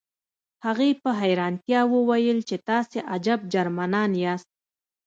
هغې په حیرانتیا وویل چې تاسې عجب جرمنان یاست